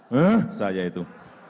hah saja itu